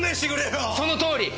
そのとおり！